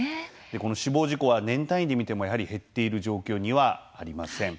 この死亡事故は年単位で見てもやはり減っている状況にはありません。